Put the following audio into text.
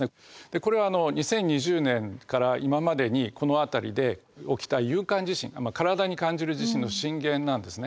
これは２０２０年から今までにこの辺りで起きた有感地震体に感じる地震の震源なんですね。